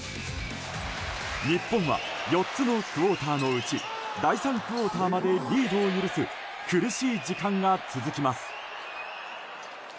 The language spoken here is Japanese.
日本は４つのクオーターのうち第３クオーターまでリードを許す苦しい時間が続きます。